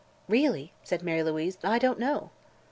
"Really," said Mary Louise, "I don't know."